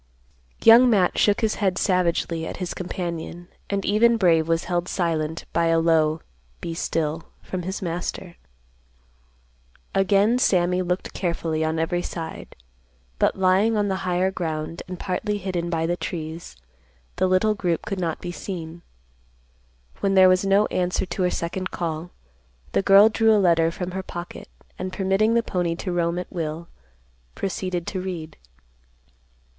Young Matt shook his head savagely at his companion, and even Brave was held silent by a low "Be still" from his master. Again Sammy looked carefully on every side, but lying on the higher ground, and partly hidden by the trees, the little group could not be seen. When there was no answer to her second call, the girl drew a letter from her pocket, and, permitting the pony to roam at will, proceeded to read.